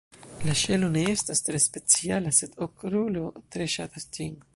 La ŝelo ne estas tre speciala, sed Okrulo tre ŝatas ĝin.